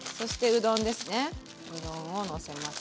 うどんをのせます。